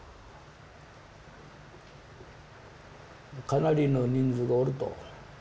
かなりの人数がおると。